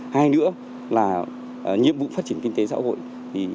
hai nữa là nhiệm vụ phát triển kinh tế xã hội